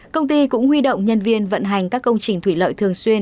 công ty cũng huy động nhân viên vận hành các công trình thủy lợi thường xuyên